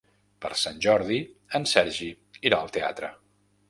Per Sant Jordi en Sergi irà al teatre.